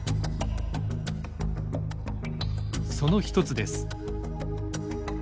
その一つです。